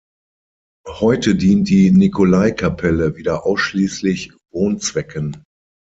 Heute dient die Nikolaikapelle wieder ausschließlich Wohnzwecken.